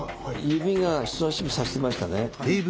指が人さし指さしましたね。